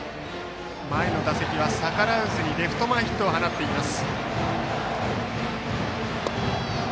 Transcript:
前の打席は逆らわずにレフト前ヒットを放っています。